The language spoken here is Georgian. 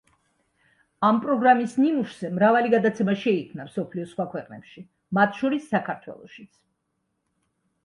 ამ პროგრამის ნიმუშზე მრავალი გადაცემა შეიქმნა მსოფლიოს სხვა ქვეყნებში, მათ შორის საქართველოშიც.